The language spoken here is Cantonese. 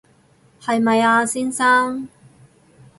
係咪啊，先生